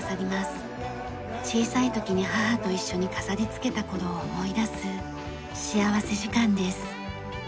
小さい時に母と一緒に飾り付けた頃を思い出す幸福時間です。